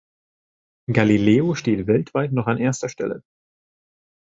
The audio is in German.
Galileo steht weltweit noch an erster Stelle.